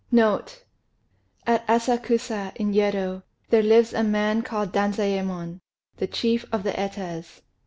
NOTE At Asakusa, in Yedo, there lives a man called Danzayémon, the chief of the Etas.